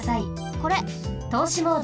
これ！とうしモード。